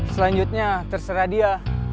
selanjutnya terserah dia